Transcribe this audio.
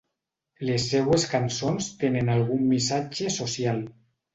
Les seues cançons tenen algun missatge social.